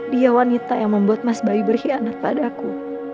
dia wanita yang membuat mas bayu berkhianat padaku